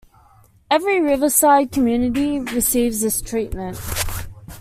Every riverside community receives this treatment.